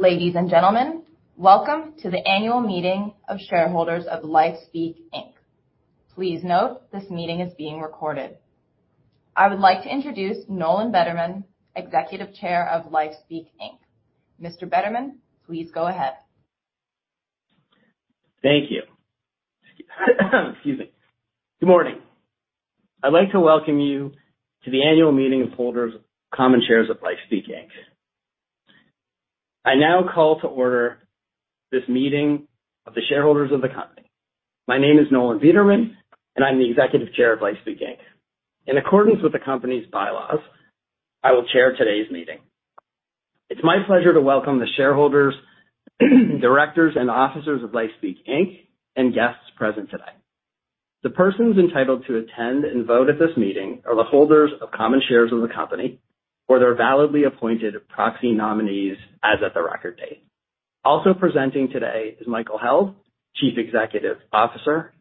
Ladies and gentlemen, welcome to the annual meeting of shareholders of LifeSpeak Inc. Please note, this meeting is being recorded. I would like to introduce Nolan Bederman, Executive Chair of LifeSpeak Inc. Mr. Bederman, please go ahead. Thank you. Excuse me. Good morning. I'd like to welcome you to the annual meeting of holders of common shares of LifeSpeak Inc. I now call to order this meeting of the shareholders of the company. My name is Nolan Bederman, and I'm the Executive Chair of LifeSpeak Inc. In accordance with the company's bylaws, I will chair today's meeting. It's my pleasure to welcome the shareholders, directors, and officers of LifeSpeak Inc. and guests present today. The persons entitled to attend and vote at this meeting are the holders of common shares of the company, or their validly appointed proxy nominees as of the record date. Also presenting today is Michael Held, Chief Executive Officer.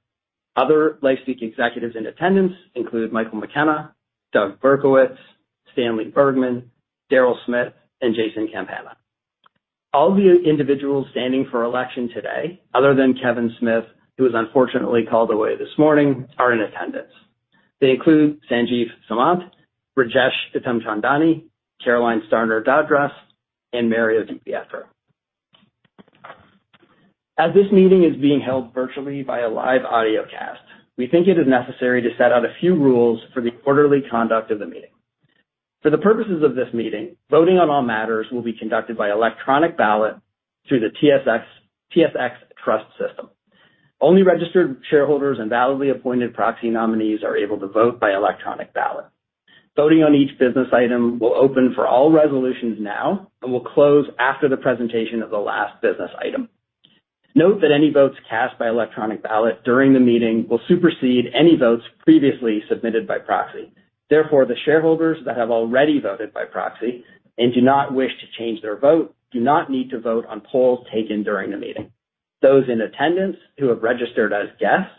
Other LifeSpeak executives in attendance include Michael McKenna, Doug Berkowitz, Stanley Bergman, Daryl Smith, and Jason Campana. All the individuals standing for election today, other than Kevin Smith, who was unfortunately called away this morning, are in attendance. They include Sanjiv Samant, Rajesh Uttamchandani, Caroline Starner Dadras, and Mario Di Pietro. As this meeting is being held virtually by a live audio cast, we think it is necessary to set out a few rules for the orderly conduct of the meeting. For the purposes of this meeting, voting on all matters will be conducted by electronic ballot through the TSX Trust system. Only registered shareholders and validly appointed proxy nominees are able to vote by electronic ballot. Voting on each business item will open for all resolutions now and will close after the presentation of the last business item. Note that any votes cast by electronic ballot during the meeting will supersede any votes previously submitted by proxy. Therefore, the shareholders that have already voted by proxy and do not wish to change their vote, do not need to vote on polls taken during the meeting. Those in attendance who have registered as guests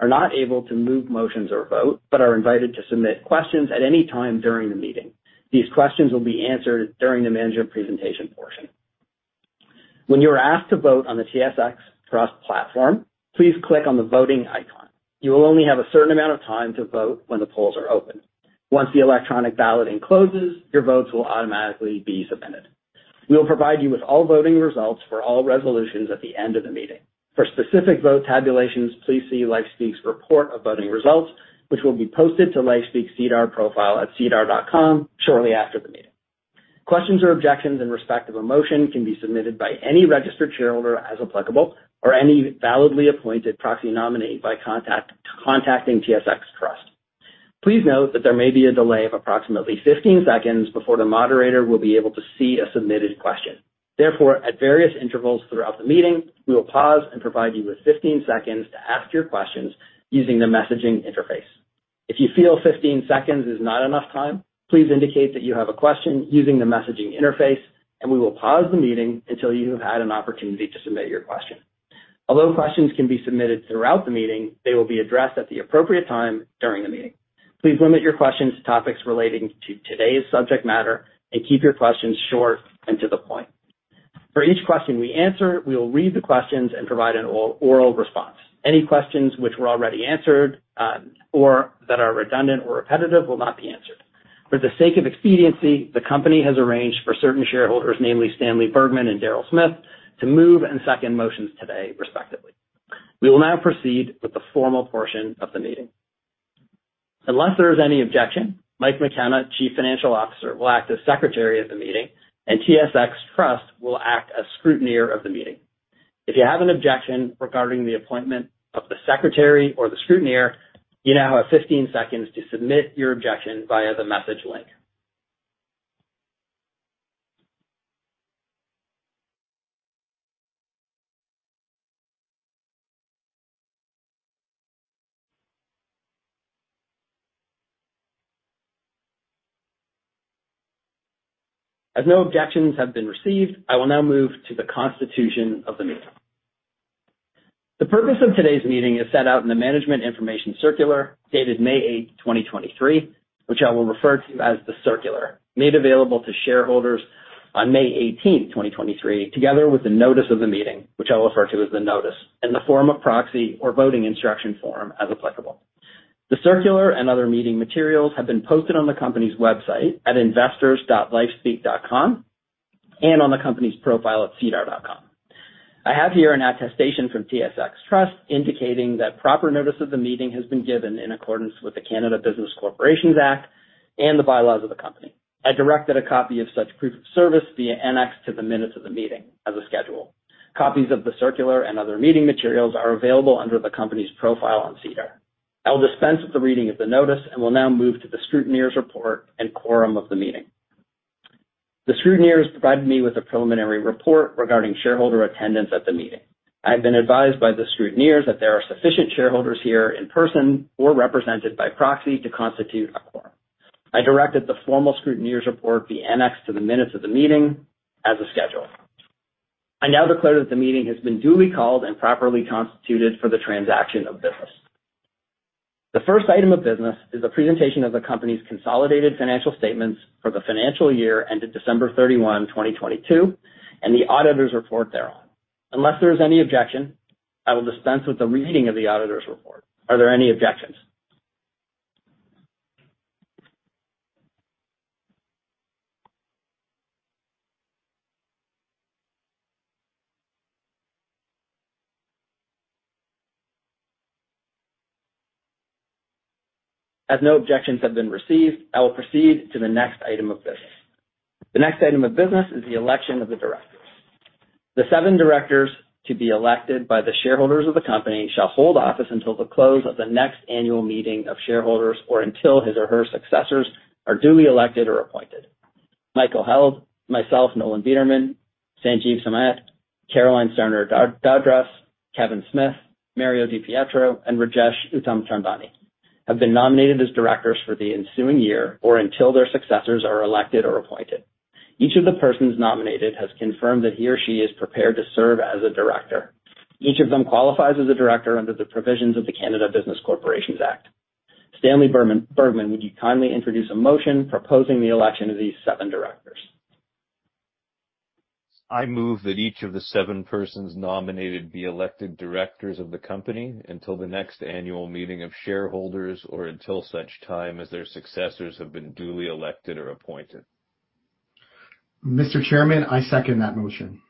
are not able to move motions or vote, but are invited to submit questions at any time during the meeting. These questions will be answered during the management presentation portion. When you are asked to vote on the TSX Trust platform, please click on the voting icon. You will only have a certain amount of time to vote when the polls are open. Once the electronic balloting closes, your votes will automatically be submitted. We will provide you with all voting results for all resolutions at the end of the meeting. For specific vote tabulations, please see LifeSpeak's report of voting results, which will be posted to LifeSpeak's SEDAR profile at sedarplus.ca shortly after the meeting. Questions or objections in respect of a motion can be submitted by any registered shareholder as applicable, or any validly appointed proxy nominee by contact, contacting TSX Trust. Please note that there may be a delay of approximately 15 seconds before the moderator will be able to see a submitted question. Therefore, at various intervals throughout the meeting, we will pause and provide you with 15 seconds to ask your questions using the messaging interface. If you feel 15 seconds is not enough time, please indicate that you have a question using the messaging interface, and we will pause the meeting until you have had an opportunity to submit your question. Although questions can be submitted throughout the meeting, they will be addressed at the appropriate time during the meeting. Please limit your questions to topics relating to today's subject matter, and keep your questions short and to the point. For each question we answer, we will read the questions and provide an oral response. Any questions which were already answered, or that are redundant or repetitive will not be answered. For the sake of expediency, the company has arranged for certain shareholders, namely Stanley Bergman and Daryl Smith, to move and second motions today, respectively. We will now proceed with the formal portion of the meeting. Unless there is any objection, Mike McKenna, Chief Financial Officer, will act as Secretary of the meeting, and TSX Trust will act as scrutineer of the meeting. If you have an objection regarding the appointment of the secretary or the scrutineer, you now have 15 seconds to submit your objection via the message link. No objections have been received, I will now move to the constitution of the meeting. The purpose of today's meeting is set out in the management information circular, dated May 8th, 2023, which I will refer to as the circular, made available to shareholders on May 18th, 2023, together with the notice of the meeting, which I will refer to as the notice, in the form of proxy or voting instruction form, as applicable. The circular and other meeting materials have been posted on the company's website at investors.lifespeak.com and on the company's profile at sedar.com. I have here an attestation from TSX Trust, indicating that proper notice of the meeting has been given in accordance with the Canada Business Corporations Act and the bylaws of the company. I directed a copy of such proof of service via Annex to the minutes of the meeting as a schedule. Copies of the circular and other meeting materials are available under the company's profile on SEDAR. I will dispense with the reading of the notice and will now move to the scrutineer's report and quorum of the meeting. The scrutineers provided me with a preliminary report regarding shareholder attendance at the meeting. I have been advised by the scrutineers that there are sufficient shareholders here in person or represented by proxy to constitute a quorum. I directed the formal scrutineers report via Annex to the minutes of the meeting as a schedule. I now declare that the meeting has been duly called and properly constituted for the transaction of business. The first item of business is a presentation of the company's consolidated financial statements for the financial year ended December 31, 2022, and the auditor's report thereon. Unless there is any objection, I will dispense with the reading of the auditor's report. Are there any objections? As no objections have been received, I will proceed to the next item of business. The next item of business is the election of the directors. The 7 directors to be elected by the shareholders of the company shall hold office until the close of the next annual meeting of shareholders, or until his or her successors are duly elected or appointed. Michael Held, myself, Nolan Bederman, Sanjiv Samant, Caroline Starner Dadras, Kevin Smith, Mario DiPietro, and Rajesh Uttamchandani have been nominated as directors for the ensuing year or until their successors are elected or appointed. Each of the persons nominated has confirmed that he or she is prepared to serve as a director. Each of them qualifies as a director under the provisions of the Canada Business Corporations Act. Stanley Bergman, would you kindly introduce a motion proposing the election of these seven directors? I move that each of the 7 persons nominated be elected directors of the company until the next annual meeting of shareholders, or until such time as their successors have been duly elected or appointed. Mr. Chairman, I second that motion.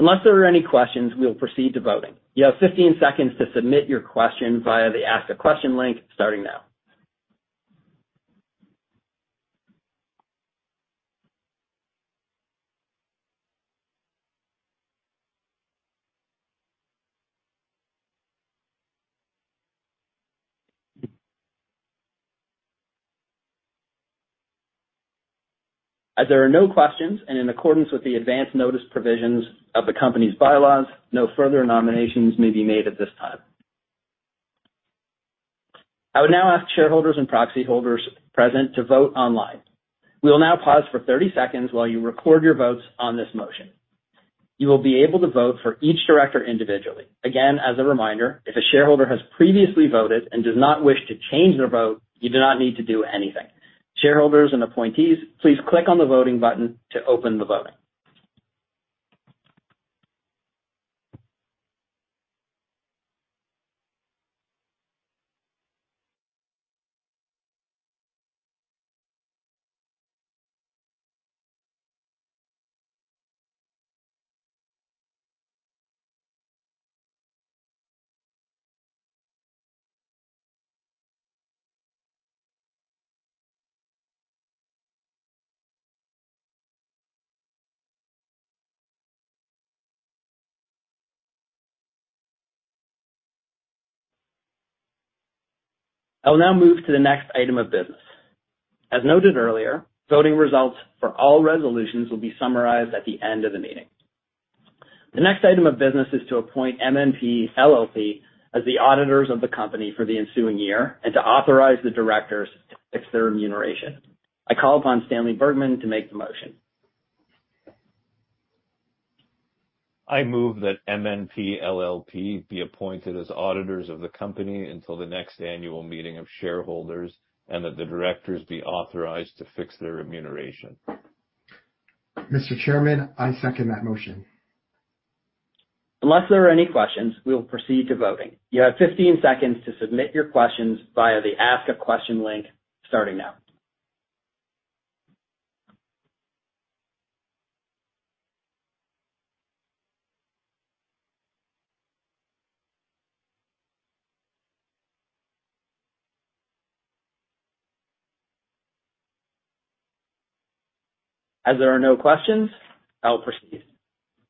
Unless there are any questions, we will proceed to voting. You have 15 seconds to submit your question via the Ask a Question link, starting now. As there are no questions, and in accordance with the advance notice provisions of the company's bylaws, no further nominations may be made at this time. I would now ask shareholders and proxy holders present to vote online. We will now pause for 30 seconds while you record your votes on this motion. You will be able to vote for each director individually. Again, as a reminder, if a shareholder has previously voted and does not wish to change their vote, you do not need to do anything. Shareholders and appointees, please click on the voting button to open the voting. I will now move to the next item of business. As noted earlier, voting results for all resolutions will be summarized at the end of the meeting. The next item of business is to appoint MNP LLP as the auditors of the company for the ensuing year and to authorize the directors to fix their remuneration. I call upon Stanley Bergman to make the motion. I move that MNP LLP be appointed as auditors of the company until the next annual meeting of shareholders, and that the directors be authorized to fix their remuneration. Mr. Chairman, I second that motion. Unless there are any questions, we will proceed to voting. You have 15 seconds to submit your questions via the Ask a Question link, starting now. There are no questions, I will proceed.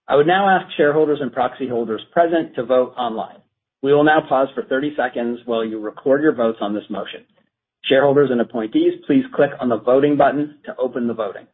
I would now ask shareholders and proxy holders present to vote online. We will now pause for 30 seconds while you record your votes on this motion. Shareholders and appointees, please click on the voting button to open the voting.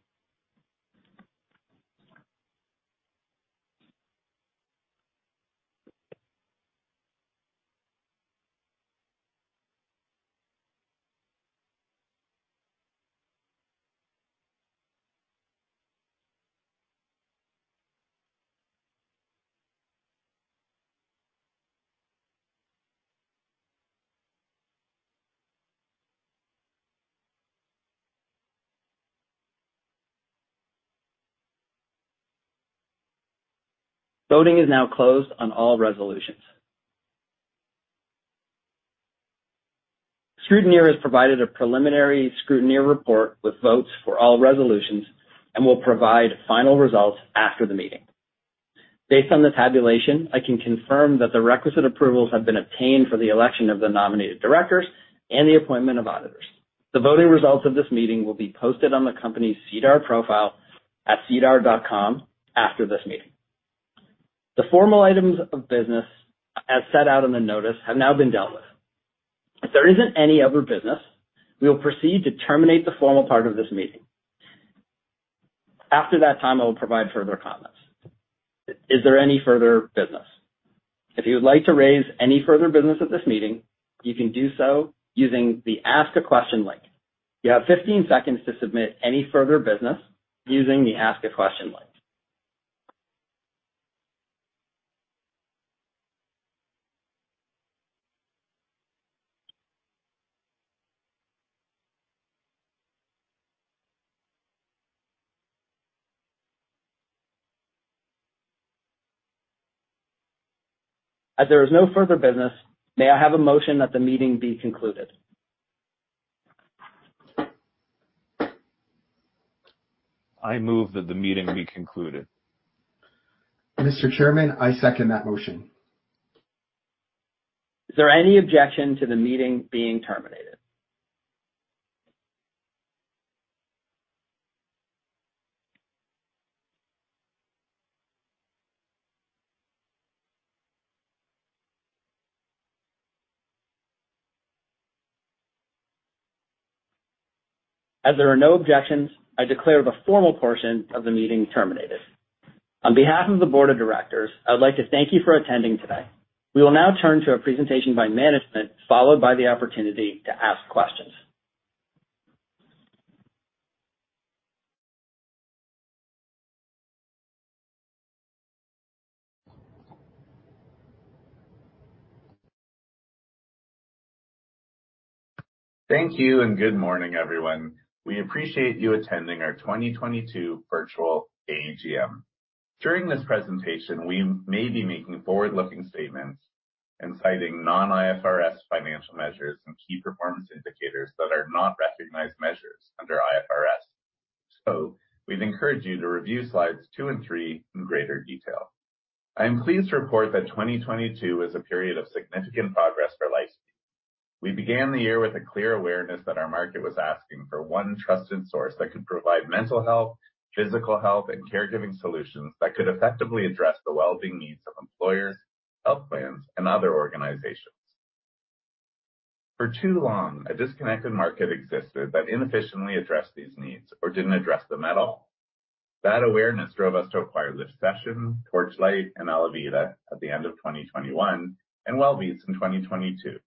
Voting is now closed on all resolutions. Scrutineer has provided a preliminary scrutineer report with votes for all resolutions and will provide final results after the meeting. Based on the tabulation, I can confirm that the requisite approvals have been obtained for the election of the nominated directors and the appointment of auditors. The voting results of this meeting will be posted on the company's SEDAR profile at sedarplus.ca after this meeting. The formal items of business, as set out in the notice, have now been dealt with. If there isn't any other business, we will proceed to terminate the formal part of this meeting. After that time, I will provide further comments. Is there any further business? If you would like to raise any further business at this meeting, you can do so using the Ask a Question link. You have 15 seconds to submit any further business using the Ask a Question link. As there is no further business, may I have a motion that the meeting be concluded? I move that the meeting be concluded. Mr. Chairman, I second that motion. Is there any objection to the meeting being terminated? As there are no objections, I declare the formal portion of the meeting terminated. On behalf of the board of directors, I would like to thank you for attending today. We will now turn to a presentation by management, followed by the opportunity to ask questions. Thank you and good morning, everyone. We appreciate you attending our 2022 virtual AGM. During this presentation, we may be making forward-looking statements and citing non-IFRS financial measures and key performance indicators that are not recognized measures under IFRS. We'd encourage you to review slides 2 and 3 in greater detail. I am pleased to report that 2022 is a period of significant progress for LifeSpeak. We began the year with a clear awareness that our market was asking for one trusted source that could provide mental health, physical health, and caregiving solutions that could effectively address the well-being needs of employers, health plans, and other organizations. For too long, a disconnected market existed that inefficiently addressed these needs or didn't address them at all. That awareness drove us to acquire LIFT session, Torchlight, and ALAViDA at the end of 2021, and Wellbeats in 2022.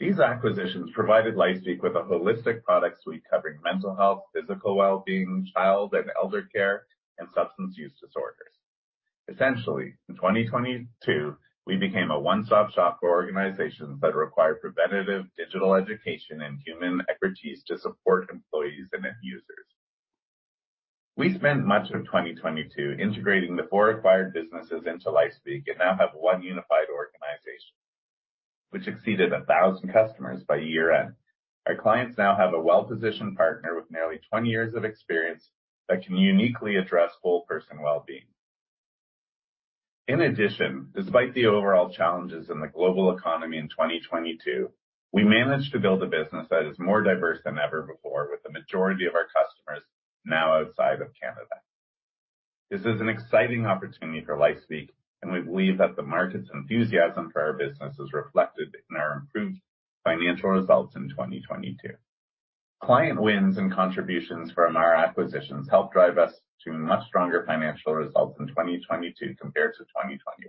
These acquisitions provided LifeSpeak with a holistic product suite covering mental health, physical well-being, child and elder care, and substance use disorders. Essentially, in 2022, we became a one-stop shop for organizations that require preventive digital education and human expertise to support employees and end users. We spent much of 2022 integrating the four acquired businesses into LifeSpeak and now have one unified organization, which exceeded 1,000 customers by year-end. Our clients now have a well-positioned partner with nearly 20 years of experience that can uniquely address whole person well-being. Despite the overall challenges in the global economy in 2022, we managed to build a business that is more diverse than ever before, with the majority of our customers now outside of Canada. This is an exciting opportunity for LifeSpeak, we believe that the market's enthusiasm for our business is reflected in our improved financial results in 2022. Client wins and contributions from our acquisitions helped drive us to much stronger financial results in 2022 compared to 2021.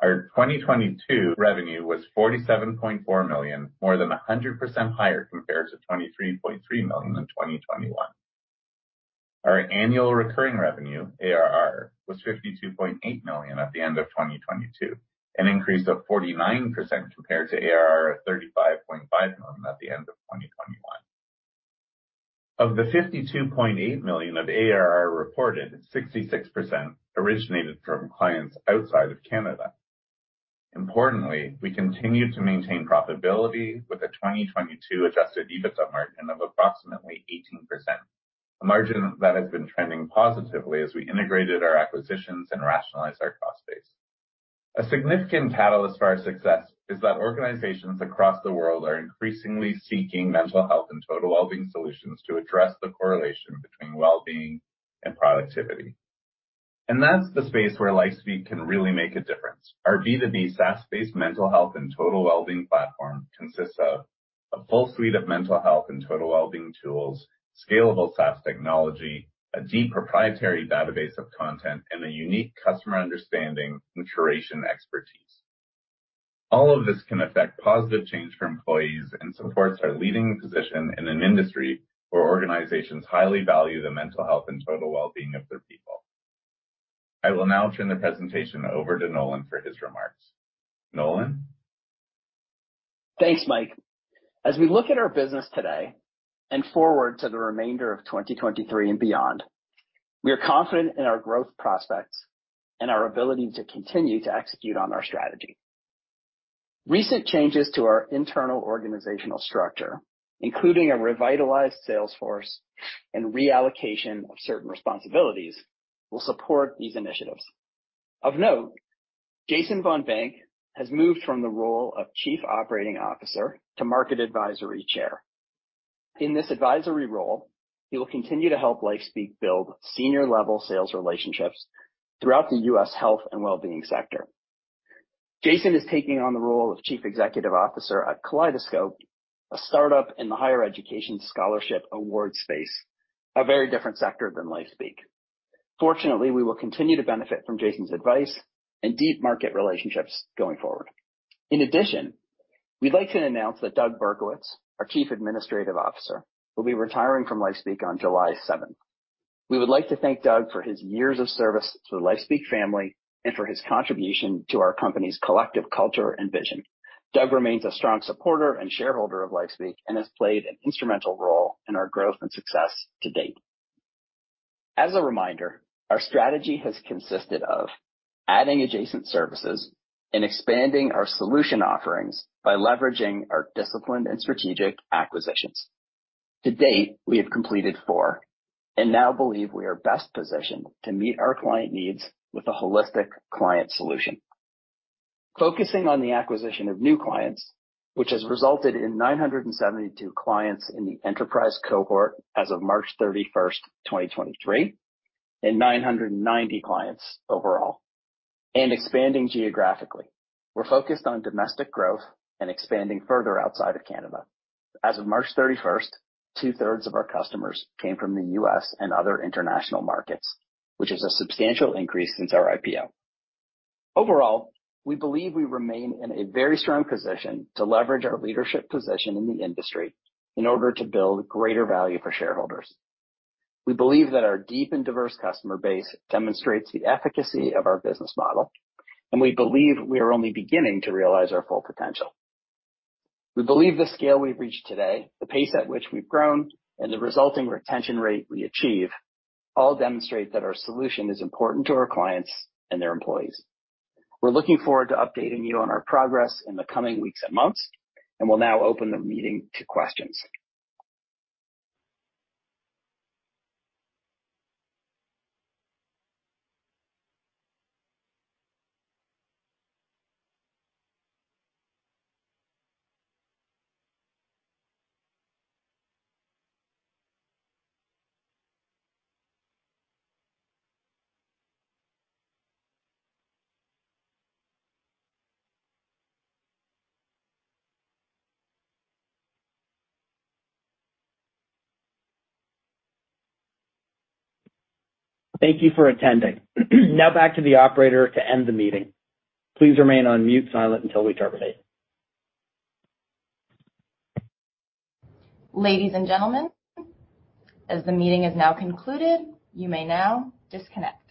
Our 2022 revenue was 47.4 million, more than 100% higher compared to 23.3 million in 2021. Our Annual Recurring Revenue, ARR, was 52.8 million at the end of 2022, an increase of 49% compared to ARR of 35.5 million at the end of 2021. Of the 52.8 million of ARR reported, 66% originated from clients outside of Canada. Importantly, we continued to maintain profitability with a 2022 adjusted EBITDA margin of approximately 18%, a margin that has been trending positively as we integrated our acquisitions and rationalized our cost base. A significant catalyst for our success is that organizations across the world are increasingly seeking mental health and total well-being solutions to address the correlation between well-being and productivity. That's the space where LifeSpeak can really make a difference. Our B2B SaaS-based mental health and total well-being platform consists of a full suite of mental health and total well-being tools, scalable SaaS technology, a deep proprietary database of content, and a unique customer understanding curation expertise. All of this can affect positive change for employees and supports our leading position in an industry where organizations highly value the mental health and total well-being of their people. I will now turn the presentation over to Nolan for his remarks. Nolan? Thanks Mike. As we look at our business today and forward to the remainder of 2023 and beyond, we are confident in our growth prospects and our ability to continue to execute on our strategy. Recent changes to our internal organizational structure, including a revitalized sales force and reallocation of certain responsibilities, will support these initiatives. Of note, Jason Von Bank has moved from the role of Chief Operating Officer to Market Advisory Chair. In this advisory role, he will continue to help LifeSpeak build senior-level sales relationships throughout the U.S. health and well-being sector. Jason is taking on the role of Chief Executive Officer at Kaleidoscope, a startup in the higher education scholarship award space, a very different sector than LifeSpeak. Fortunately, we will continue to benefit from Jason's advice and deep market relationships going forward. In addition, we'd like to announce that Doug Berkowitz, our Chief Administrative Officer, will be retiring from LifeSpeak on July 7th. We would like to thank Doug for his years of service to the LifeSpeak family and for his contribution to our company's collective culture and vision. Doug remains a strong supporter and shareholder of LifeSpeak, and has played an instrumental role in our growth and success to date. As a reminder, our strategy has consisted of adding adjacent services and expanding our solution offerings by leveraging our disciplined and strategic acquisitions. To date, we have completed 4, and now believe we are best positioned to meet our client needs with a holistic client solution. Focusing on the acquisition of new clients, which has resulted in 972 clients in the enterprise cohort as of March 31st, 2023, and 990 clients overall, and expanding geographically. We're focused on domestic growth and expanding further outside of Canada. As of March 31st, 2/3 of our customers came from the U.S. and other international markets, which is a substantial increase since our IPO. Overall, we believe we remain in a very strong position to leverage our leadership position in the industry in order to build greater value for shareholders. We believe that our deep and diverse customer base demonstrates the efficacy of our business model, and we believe we are only beginning to realize our full potential. We believe the scale we've reached today, the pace at which we've grown, and the resulting retention rate we achieve, all demonstrate that our solution is important to our clients and their employees. We're looking forward to updating you on our progress in the coming weeks and months. We'll now open the meeting to questions. Thank you for attending. Back to the operator to end the meeting. Please remain on mute, silent, until we terminate. Ladies and gentlemen, as the meeting is now concluded, you may now disconnect.